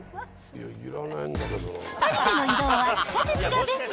パリでの移動は地下鉄が便利。